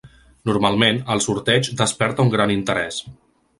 Normalment, el sorteig desperta un gran interès.